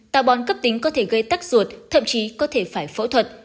tà bón cấp tính có thể gây tắc ruột thậm chí có thể phải phẫu thuật